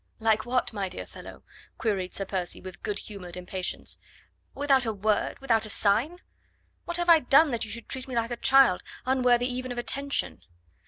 "Like what, my dear fellow?" queried Sir Percy with good humoured impatience. "Without a word without a sign. What have I done that you should treat me like a child, unworthy even of attention?"